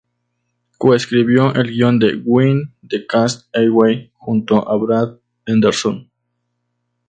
Coescribió el guión de "When the Cat's Away" junto a Brad Anderson.